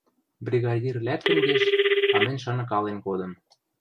Бригадир лӓктӹн кеш, а мӹнь шаныкален кодым.